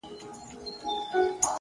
• یو څه سیالي د زمانې ووینو,